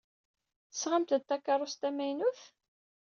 Tesɣamt-d takeṛṛust tamaynut?